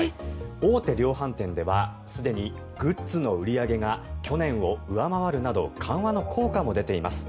大手量販店ではすでにグッズの売り上げが去年を上回るなど緩和の効果も出ています。